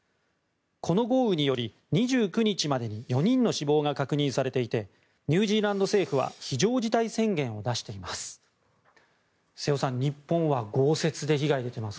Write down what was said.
この豪雨により２９日までに４人の死亡が確認されていてニュージーランド政府は非常事態宣言を出しています。